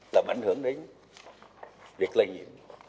là bản hưởng đến việc lây nhiễm